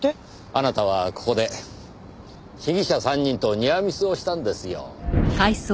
あなたはここで被疑者３人とニアミスをしたんですよ。